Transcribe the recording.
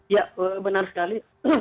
ya benar sekali